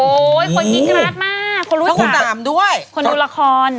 อย่างนี้กราทมากคนรู้ตามคนรู้ละคร